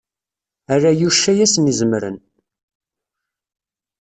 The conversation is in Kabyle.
Ala Yuc ay asen-izemren.